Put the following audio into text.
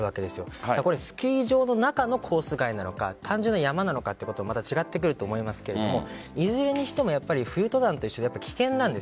スキー場の中のコース外なのか単純な山なのかまた違ってくると思いますがいずれにしても冬登山と一緒で危険なんです。